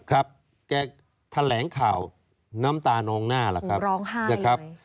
ครับแกแถลงข่าวน้ำตานองหน้าล่ะครับ